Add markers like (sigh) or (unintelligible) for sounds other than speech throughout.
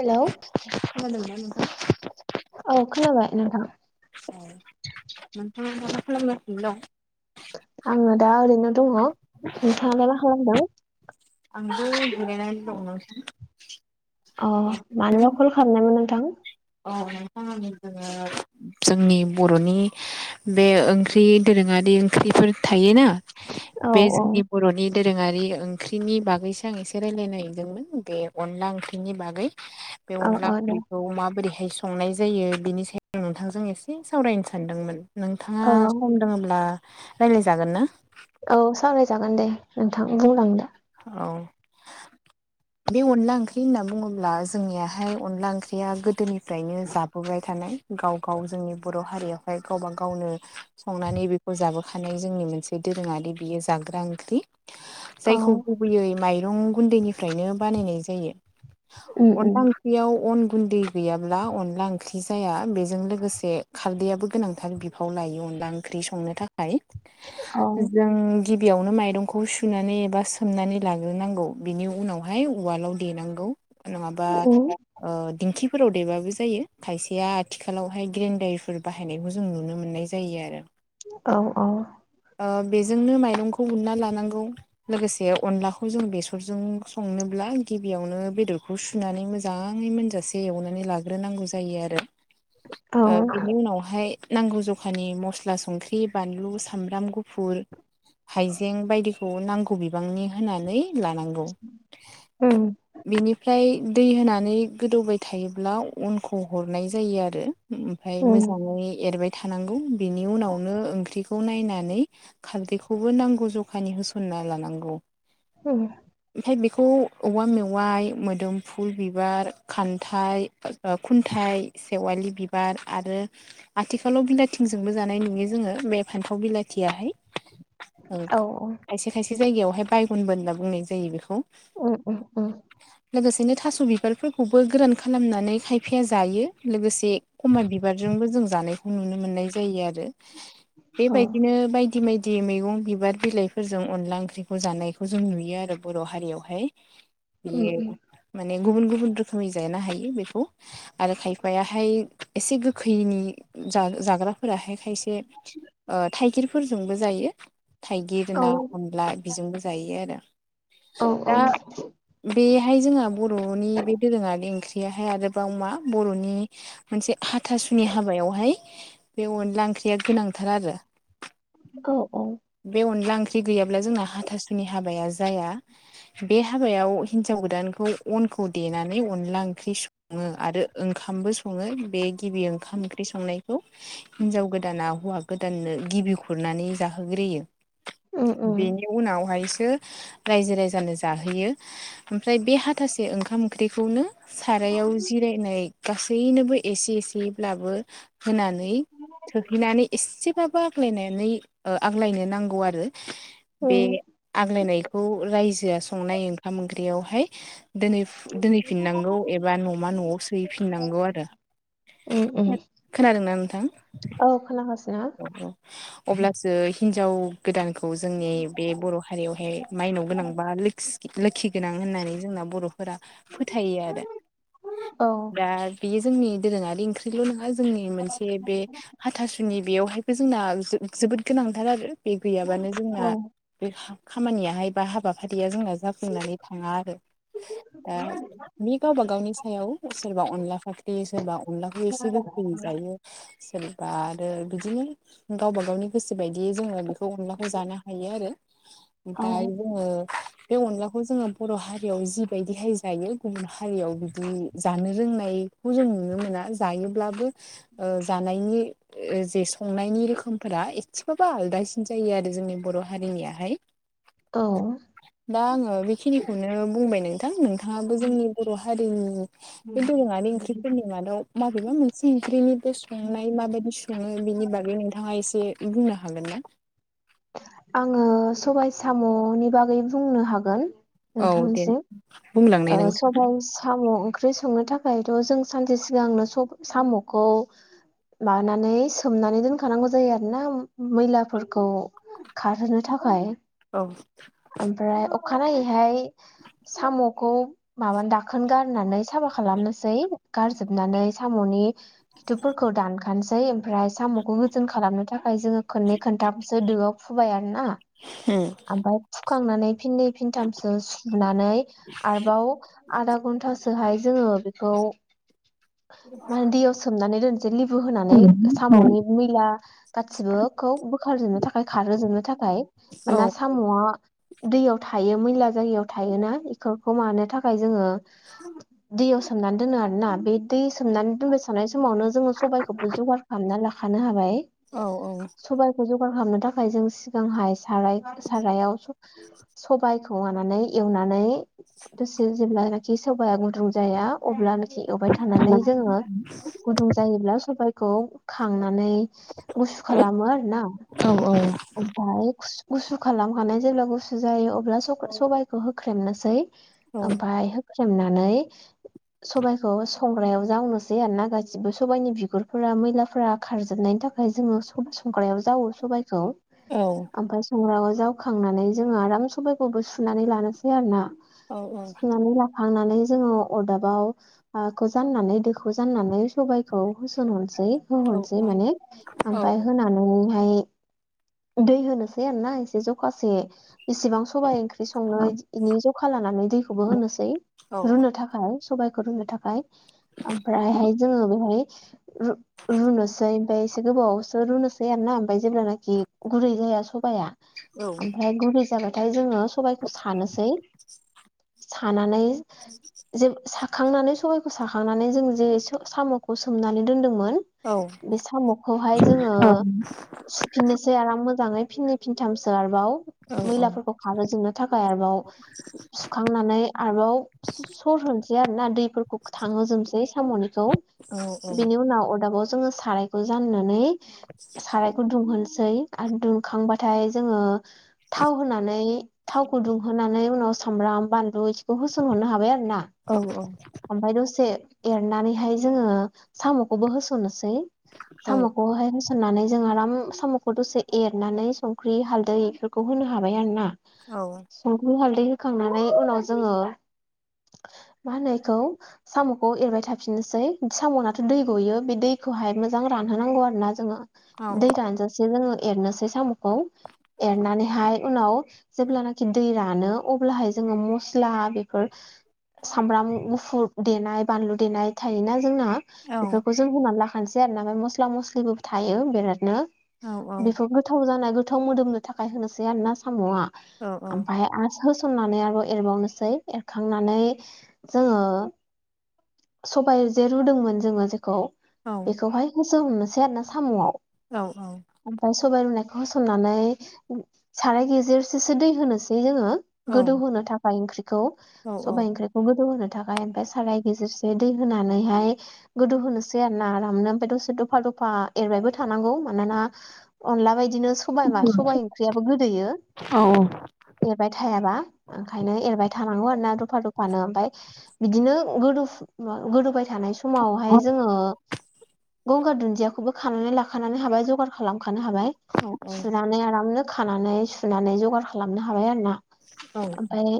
हेल' खोनादोंना नोंथां औ खोनाबाय नोंथां औ नोंथाङा दा मा खालामगासिनो दं आङो दा ओरैनो दङ नोंथाङालाय मा खालामदों (unintelligible) अ मानोबा कल खालामनायमोन नोंथां औ नोंथां आं जोङो जोंनि बर'नि बे ओंख्रि दोरोङा ओंख्रिफोर थायोना औ बे औ जोंनि बर'नि दोरोङारि ओंख्रिनि बागैसो आं एसे रायलायनो नागिरदोंमोन बे अनला ओंख्रिनि बागै बे औ अनला औ दे ओंख्रिखौ माबोरै हाय संनाय जायो बिनि सायाव नोंथांजों एसे सावरायनो सानदोंमोन नोंथाङा औ सम दोङब्ला रायलायजागोन ना? जागोन दे नोंथां बुंलांदो औ बे अनला ओंख्रि होनना बुङोब्ला जोंनियाहाय अनला ओंख्रिया गोदोनि फ्रायनो जाबोबाय थानाय गाव गाव जोंनि बर' हारियावहाय गावबा गावनो संनानै बेखौ जाबोखानाय जोंनि मोनसे दोरोङारि बियो जाग्रा ओंख्रि। औ। जायखौ गुबैयै माइरं गुन्दैनिफ्राइनो बानायनाय जायो उम उम अनला ओंख्रिआव अन गुन गुन्दै गैयाब्ला अनला ओंख्रि जाया बेजों लोगोसे खारदैयाबो गोनांथार बिफाव लायो अन अनला ओंख्रि संनो थाखाय औ जों गिबियावनो माइरंखौ सुनानै एबा सोमनानै लाग्रोनांगौ बिनि उनावहाय उवालाव देनांगौ। नङाबा उम ओ दिंखि फोराव देबाबो जायो खायसेया आथिखालावहाय ग्रेन्डारफोर बाहायनायखौ जों नुनो मोननाय जायो आरो। औ औ। ओ बेजोंनो माइरंखौ उनना लानांगौ लोगोसे से अनलाखौ जों बेसरजों संनोब्ला गिबियावनो बेदरखौ सुनानै मोजाङै मोनजा से एवनानै लाग्रोनांगौ जायो आरो औ बेनि उनावहाय नांगौ जखानि मस्ला संख्रि बानलु सामब्राम गुफुर हाइजें बायदिखौ नांगौ बे बांनि होनानै लानांगौ उम बेनिफ्राय ओमफ्राय दै होनानै गोदौबाय थायोब्ला अनखौ हरनाय जायो आरो। ओमफ्राय उम मोजाङै एरबाय थानांगौ बिनि उनावनो ओंख्रिखौ खौ नायनानै खारदैखौबो नांगौ जखानि होसनना लानांगौ । उम। बेखौ औवा मेवाइ मोदोमफुल बिबार खान्थाइ खुन्थाइ सेवालि बिबार आरो आथिखालाव बिलाइथिंजोंबो जानाय नुयो जोङो बे फान्थाव बिलाथि खाथियाहाय ओ औ खायसे खायसे जायगायावहाय बायगनबो होनना बुंनाय जायो बेखौ। ओम ओम ओम। लोगोसेनो थास' बिबारफोरखौबो गोरान खालामनानै खायफाया जायो लोगोसे खमा बिबारजोंबो जों जानायखौ नुनो मोननाय जायो आरो। औ बेबायदिनो बायदि बायदि मैगं बिबार बिलाइफोरजों अनला ओं ख्रिखौ जानायखौ जों नुयो आरो बर' हारियावहाय उम उम बेयो माने गुबुन गुबुन रोखोम रोखोमै जानो हायो बेखौ आरो खायफायाहाय एसे गोखैनि जा-जाग्रा माबाफोराहाय खायसे ओ थाइगिरफोरजोंबो जायो थाइगिर औ ना अनला बेजोंबो जायो आरो । औ दा बेहाय जोंहा बर'नि बे दोरोङारि ओंख्रि आहाय आरोबाव मा बर'नि मोनसे हाथासुनि हाबायावहाय बे अनला ओंख्रिया गोनांथार आरो । औ औ। ओंख्रि गैयाब्ला जोंना हाथासुनि हाबाया जाया बे हाबायाव हिन्जाव गोदानखौ अनखौ देनानै अनला ओंख्रि सङो आरो ओंखामबो सङो बे गिबि ओंखाम ओंख्रि संनायखौ हिनजाव गोदाना हौवा गोदाननो गिबि खुरनानै जाहोग्रोयो। उम उम। बेहायसो रायजो राजानो जाहोयो ओमफ्राय बे हाथासे ओंखाम ओंख्रिखौनो सारायाव जिरायनाय गासैनोबो एसे एसेयैब्लाबो होनानै थोहैनानै एसे बाबो आग्लायनानै ओ आग्लायनो नांगौ आरो। बे उम आग्लायनायखौ रायजोआ संनाय ओंखाम ओंख्रियावहाय दोनहैफि दोनहैफिननांगौ एबा न'मा न'आव सोहैफिननांगौ आरो। उम उम खोनादोंना नोंथां? औ खोनागासिनो औ औ अब्लासो हिनजाव गोदानखौ खौ जोंनि बे बर' हारियावहाय माइनाव गोनां बा लोखि लोखि गोनां होननानै जोंना बर' फोरा फोथायो आरो दा बेयो जोंनि दोरोङारि ओंख्रिल' नङा जोंनि मोनसे बे औ हाथासुनि बेयावहायबो जोंना जोबोद गोनांथार आरो बे गैयाबानो औ जोंना बे खामानियाहाय बा हाबाफारिया जोंना जाफुंनानै थाङा आरो दा बे गावबा गावनि सायाव सोरबा अनला फाख्रि सोरबा अनलाखौ एसे बोरैजायो सोरबा आरो बिदिनो गावबा गावनि गोसो बायदियै जोङो बे बे अनलाखौ जानो हायो आरो ओमफ्राय औ जोङो बे अनलाखौ जोङो बर' हा हारियाव जिबायदिहाय जायो गुबुन हारियाव बिदि जानो रोंनाय खौ जों नुनो मोना जायोब्लाबो ओ जानायनि ओ जे संनायनि रोखोमफोरा एसेबाबो आलदासिन जायो आरो जोंनि बर' हारिनियाहाय औ दा आङो बेखिनिखौनो बुंबाय नों थां नोंथाङाबो जोंनि बर' हारिनि बे दोरोङारि ओंख्रिफोरनि मादाव माबेबा मोनसे ओंख्रिनि बे संनाय माबायदि संङो बेनि बागै नोंथाङा एसे बुंनो हागोन ना? आङो सबाय साम'नि बागै बुंनो हागोन औ दे नोंथांनिसिम बुंलांनाय ओ नोंथां सबाय सा म ओंख्रि संनो थाखायथ' जों सानसे सिगांनो स साम'खौ मानानै सोमनानै दोनखानांगौ जायो आरोना मैलाफोरखौ खारहोनो थाखाय औ (inaudible) ओमफ्राय अखानायैहाय साम'खौ माबा दाखोन गारनानै साफा खालाम नोसै गारजोबनानै सामनि खिथुफोरखौ दानखासै ओमफ्राय साम'खौ गोजोन खालामनो थाखाय जोङो खननै खनथामसो दोआव फुबाय आरोना फुखांनानै फिननै फिनथामसो सुनानै आरोबाव आधा घन्टासोहाय जोङो बेखौ माहोनो दैयाव सोमनानै दोन से लिबु होनानै औ साम'नि मैला गासिबोखौ बोखारजोबनो थाखाय खारोजोबनो थाखा खाय औ माना साम'आ दैयाव थायो मैला जायगायाव थायोना इफोरखौ मानो थाखाय जोङो दैयाव सोमनानै दोनो आरोना बे दै सोमनानै दोनबाय थानायानाय समावनो जोङो सबायखौबो जगार खालामनानै लाखानो हाबाय औ औ सबायखौ जगार खालामनो थाखाय जों सिगांहाय साराय सबाइखौ मानानै एवनानै दसे जेब्लानाखि सबाया गुद्रुं जाया अब्लानो थे एवबाय थानानै जोङो गुदुं जायोब्ला सबायखौ खांनानै गुसु खालामो आरो ना ओमफ्राय गु गुसु खालामखानाय जेब्ला गुसु जायो अब्ला सबायाइखौ होख्रेमनोसै ओमफ्राय सोमनानै सबाइखौ संग्रायाव जावनोसै आरो ना सबायनि बिगुरफोरा मैलाफोरा खारजोबनायनि बेनि थाखाय जोङो सब संग्रायाव जावो सबायखौ ओमफ्राय संग्रायाव जावखांनानै जोङो आराम सबायखौबो सुनानै लानोसै आरो ना औ औ खांनानै जोङो अरदाबावखौ जाननानै दोखौ जाननानै सबाइखौ होसनहरनो सै होहरनोसै माने ओमफाय होनानैहाय दै होनो ना आरोना एसे जखासे इसिबां सबाइ ओंख्रि संनोनि जखा लानानै दैखौबो होनोसै रुनो थाखाय सबायाइखौ रुनो थाखाय ओमफ्रायहाय जोङो बेवहाय रु-रुनोसै ओमफ्राय एसे गोबावसो रुनोसै आरोना ओमफफ्राय जेब्लानाखि गुरै जाया सबाया ओमफ्राय गुरै जाबाथाय जोङो सबाइखौ सानोसै सानानै जे साखांनानै सबाइखौ साखांनानै जों जे साम'खौ सोमनानै दोनदोंमोन। बे साम'खौहाय जोङो सुफिननोसै आराम मोजाङै फिन्नै फिनथामसो आरोबाव मैलाफोरखौ खारो जोबनो थाखाय आरोबाव सुखांनानै आरोबाव सर होन आरो ना दैफोरखौ थाङो जोबसै साम'निखौ बिनि उनाव अरदाबाव जोङो साराइखौ जाननानै साराइखौ दुंहोनोसै आरो दुंखांबा नाथाय जोङो थाव होनानै थावखौ दुंहोनानै उनाव सामब्राम बानलु इखौ बोसोनहरनो हाबाय आरो ना। ओमफ्राय दसे एरनानैहाय जोङो साम'खौबो होस'नोसै। साम'खौहाय होसननानै जों आराम साम'खौ दसे एरनानै सं संख्रि हालदै बेफोरखौ होनो हाबाय आरो ना संख्रि हालदै दै होखांनानै उनाव जोङो मा होनो बेखौ साम'खौ एरबाय थाफिननोसै साम'नाथ' दै गयो बे दै खौहाय मोजां रानहोनांगौ आरो ना जोङो दै रानजासे जोङो एरनोसै साम'खौ। एरनानैहाय उनाव जेब्लानाखि दै रानो अब्लाहाय जोङो मस्ला बे फोर सामब्राम गुफुर देनाय बानलु देनाय थायोना? जोंना बेफोरखौ जों होननानै लाखानोसै आरो न मस्ला मस्लिबो थायो बिरादनो बेखौ गोथाव जानाय गोथाव मोदोमनो थाखाय होनोसै आरोना साम'आ। औ औ ओमफ्राय आ होसननानै आरो एरबावनोसै एरखांनानै जोङो सबाइ जे रुदोंमोन जोङो जेखौ बेखौहाय होस' हरनोसै आरो ना साम'आव। औ औ। सबाय रुनायखौ होसननानै साराय गेजेरसेसो दै होनोसै ज गोदौहो थाखाय ओंख्रिखौ सबाइ ओंख्रिखौ गोदौहोनो थाखाय ओमफाय साराय गेजेरसे दै होनानैहाय गोदौ होनोसै आरो ना आरामनो ओमफाय दसे दफा दफा फा एरबायबो थानांगौ मानोना अनला बायदिनो सबाइ मा सबाइ ओंख्रियाबो गोदोयो। एरबाय थायाबा ओंखायनो एरबाय थानांगौ आरो ना दफा दफानो ओमफ्राय बिदिनो गोदौ फु गोदौबाय थानाय समावहाय जोङो गंगार दुन्दियाखौबो खानानै लाखानानै हाबाय जगार खालामखा खानो हाबाय सुनानै आरामनो खानानै सुनानै जगार खालामनो हाबाय आरो ना। ओमफ्राय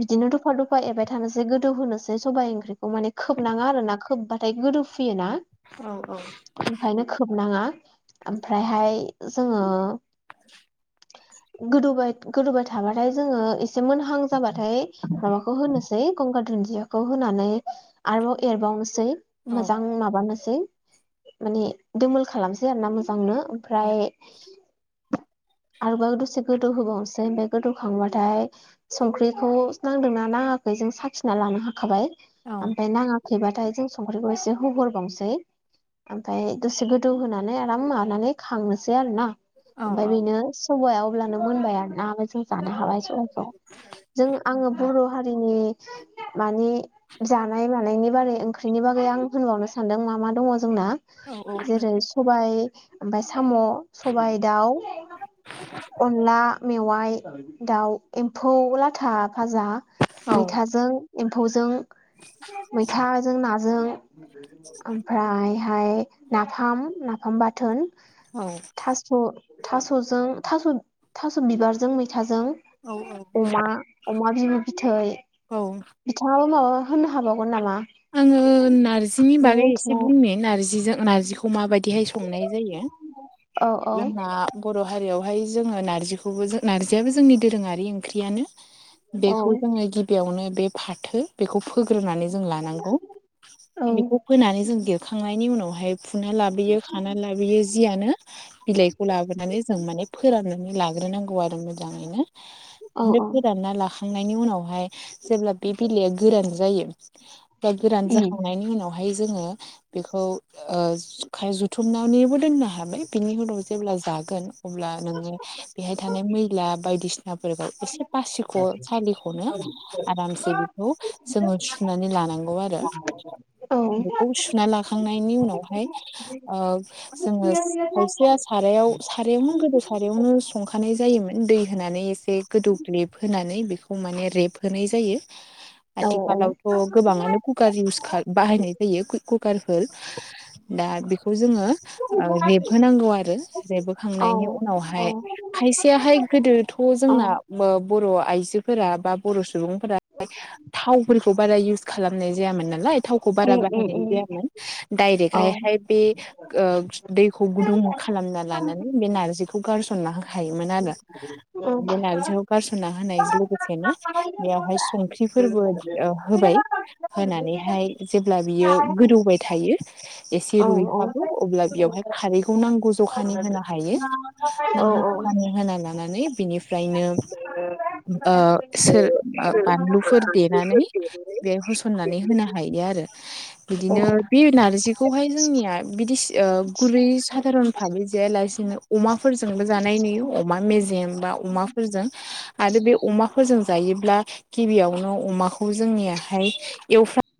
बिदिनो दफा दफा एरबाय थानोसै गोदौ होनोसै सबाय ओंख्रिखौ माने खोबनाङा आरो ना खोब्बाथाय गोदौ फुयोना ओंखायनो खोबनाङा ओमफ्रायहाय जोङो (inaudible) गोदौबाय गोदौबाय थाबाथाय जोङो एस एसे मोनहां जाबाथाय माबाखौ होनोसै गंगार दुनदि बिदिखौ होनानै आरोबाव एरबावनोसै मोजां माबानोसै माने दमोल खालामसै आरो ना मोजांनो ओमफ्राय आरोबाव दसे गोदौ होबावनोसै गोदौखांबाथाय संख्रिखौ नांदों ना ना खौ जों साखिना लानो हाखाबाय ओमफ्राय नाङाखैबाथाय जों संखरिखौसे होहरबावनोसै ओमफफ्राय दसे गोदौ होनानै आराम मानानै खांनोसै आरो ना। ओमफफ्राय बेनो सबाया अब्लानो मोनबाय आरोनााय ज जानो हाबाय सबाइखौ । जों आङो बर' हारिनि मानिे जानाय मानायनि बारै ओंख्रिनि बागै आं होनबावनो सानदों मा मा दङ जोंना जेरै सबाय ओमफ्राय साम' सबायाइ दाउ अनला मेवाइ दाउ एम्फौ लाथा फाजा मैथाजों एम्फौजों मैथाजों नाजों ओमफ्राय ओमाय नाफाम नाफाम बाथोन। औ। थास' थास'जों थास' थास' बिबारजों मैथाजों अमा अमा बिबौ बिथै बिथाङाबो माबा होननो हाबावगोन नामा आङो नार्जिनि नों बागै एसे मिथिनाय बुंनो नारजिजों नारजिखौ माबायदिहाय सं संनाय जायो औ औ जोंना बर' हारियावहाय जोङो नारजिखौबो नारजियाबो जोंनि दोरोङारि ओंख्रियानो । औ बेखौ जोङो गिबियावनो बे फाथो बेखौ फोग्रोनानै जोङो औ बेखौ फोनानै जों देरखांनायनि उनावहाय फुना लाबोयो खानानै लाबोयो जियानो बिलाइखौ लाबोनानै जों माने फोराननानै लाग्रोनांगौ मोजाङैनो औ बे औ फोरानना ला नायनि उनावहाय जेब्ला बे बिलाइआ गोरान जायो बा गोरान जाखांनायनि उनावहाय हाय जोङो बेखौखाय जुथुमनानैबो दोनना हाबाय बिनि उनाव जेब्ला जागोन अब्ला नोङो बेहाय थानाय मैला बायदिसिना नाफोरखौ एसे फासिख' सालिख'नो आरामसे बेखौ जोङो सुनानै लानांगौ खौ आरो बेखौ सुनानै लाखांना उनावहाय ओ जोङो खायसेया सारायाव सारायावनो गोदो सारायावनो संखानाय जायोमोन दै होनानै एसे गोदौग्ललिब होनानै बेखौ माने रेब होनाय जायो औ आथिखालावथ' गोबाङानो कुकार इउस बाहायनाय जायो कुकारफोर दा बेखौ जोङो ऐ रेबहोनांगौ आरो औ रेबहोखांनायनि उनावहाय खायसेयाहाय गोदोथ' जोंना औ बो बर' आइजोफोरा बा बर' सुबुंफोरा थावफोरखौ बारा इउस खालामनाय जायामोन नालाय थावखौ बारा उम उम बाहायनाय उम जायामोन डायरेक्हाय औ हाय बे ओ दैखौ गुदुं खालामना लानानै बे नारजिखौ गारस हायोमोन आरो औ बे नारजिखौ गारस'ना होनाय लोगोसेनो बेयावहाय संख्रि फोरबो होबाय होनानैहाय जेब्ला बियो गोदौबाय थायो एसे रुइहाबो अब्ला बेयावहाय खारैखौ नांगौ जखानि होनो हायो औ नांगौ जखानि होना लानानै बिनिफ्रायनो ओ सोर बानलुफोर देनानै बेहाय होसननानै होनो हायो आरो औ बिदिनो बे नारजिखौहाय जोंनिया बिदिसि गुरै सधारन भाबै जाया लासेनो अमाफोरजोंबो जानायनि अमा मेजेम बा अमाफोरजों आरो बे अमाफोरजों जायोब्ला गिबियावनो अमाखौ जोंनियाहाय एवफ्रां